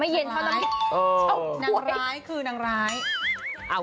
ไม่เย็นกว่าน้ำแขก